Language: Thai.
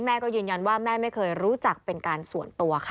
แม่ก็ยืนยันว่าแม่ไม่เคยรู้จักเป็นการส่วนตัวค่ะ